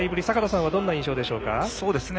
坂田さんはどんな印象でしょうか。